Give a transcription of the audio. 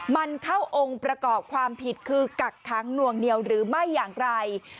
มันเข้าองค์ประกอบความผิดคือกักค้างหน่วงเหนียวหรือไม่อย่างไร